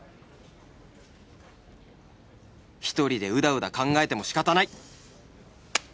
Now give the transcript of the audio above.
一人でうだうだ考えても仕方ない！